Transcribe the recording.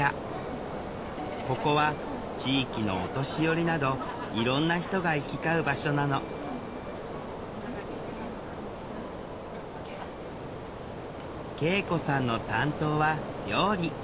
ここは地域のお年寄りなどいろんな人が行き交う場所なの圭永子さんの担当は料理。